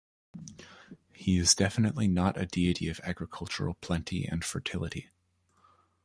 He is definitely not a deity of agricultural plenty and fertility.